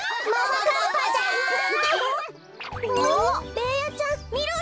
ベーヤちゃんみろりん。